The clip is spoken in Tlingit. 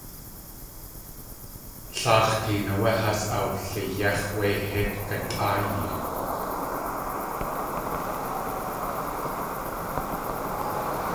Laax̲ teen áwé has awliyéx̲ wé hít katʼáayi.